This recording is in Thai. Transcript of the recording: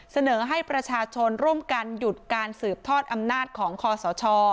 เสนอให้ประชาชนร่วมกันหยุดการสืบทอดอำนาจของคอสช